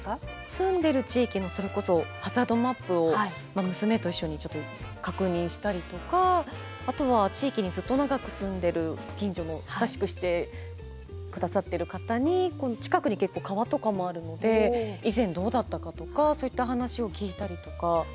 住んでる地域のそれこそあとは地域にずっと長く住んでる近所の親しくして下さってる方に近くに結構川とかもあるので以前どうだったかとかそういった話を聞いたりとか。